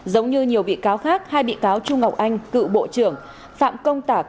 giống như nhiều bị cáo khác hai bị cáo trung ngọc anh cựu bộ trưởng phạm công tạc